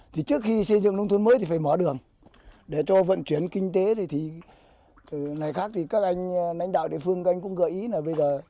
thì trước khi xây dựng nông thôn mới thì phải mở đường để cho vận chuyển kinh tế thì này khác thì các anh đạo địa phương cũng gợi ý là bây giờ